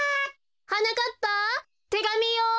はなかっぱてがみよ。